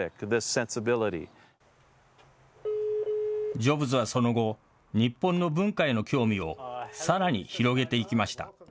ジョブズはその後、日本の文化への興味をさらに広げていきました。